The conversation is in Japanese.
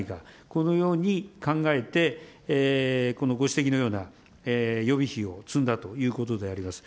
このように考えて、このご指摘のような予備費を積んだということであります。